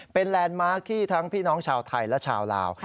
เป็นแลนด์มาร์คที่ทั้งพี่น้องชาวไทยและชาวลาว